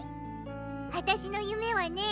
私の夢はね！